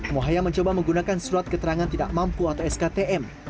muhaya mencoba menggunakan surat keterangan tidak mampu atau sktm